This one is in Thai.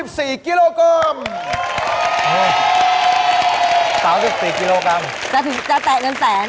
วันนี้๓๔กิโลกรัมได้๓๔กิโลกรัมจะแตกเงินแสน